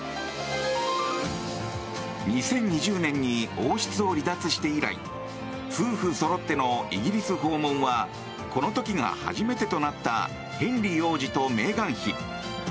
２０２０年に王室を離脱して以来夫婦そろってのイギリス訪問はこの時が初めてとなったヘンリー王子とメーガン妃。